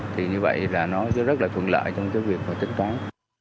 thì như vậy là nó rất là thuận lợi trong cái việc mà tính toán